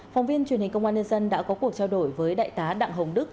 phóng viên truyền hình công an nhân dân đã có cuộc trao đổi với đại tá đặng hồng đức